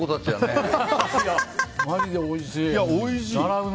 まじでおいしい。